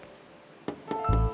nah barus cute